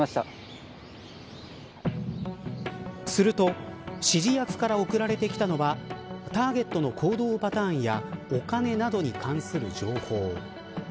すると指示役から送られてきたのはターゲットの行動パターンやお金などに関する情報。